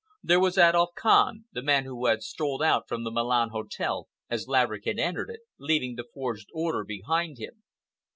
There was Adolf Kahn, the man who had strolled out from the Milan Hotel as Laverick had entered it, leaving the forged order behind him.